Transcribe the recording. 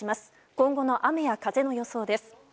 今後の雨や風の予想です。